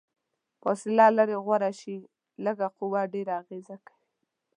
فاصله لرې غوره شي، لږه قوه ډیره اغیزه کوي.